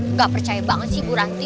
nggak percaya banget sih bu ranti